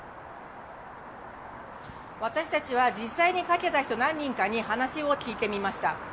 私たちは実際にかけた人、何人かに話を聞いてみました。